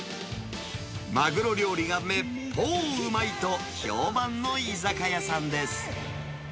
マグロ料理がめっぽううまいと、評判の居酒屋さんです。